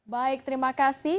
baik terima kasih